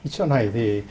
chỗ này thì